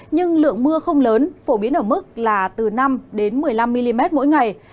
nhưng lượng mưa không lớn phổ biến ở mức là từ năm đến một mươi năm mm mỗi ngày